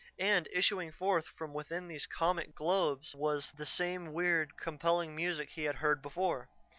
And issuing forth from within these comic globes was the same weird, compelling music he had heard before.